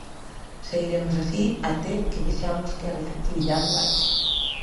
Seguiremos así até que vexamos que a receptividade baixe.